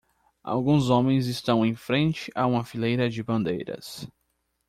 Alguns homens estão em frente a uma fileira de bandeiras.